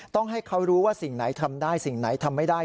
ต้องให้เขารู้ว่าสิ่งไหนทำได้สิ่งไหนทำไม่ได้